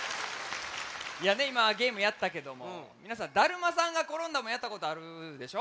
いやねいまゲームやったけどもみなさんだるまさんがころんだもやったことあるでしょ？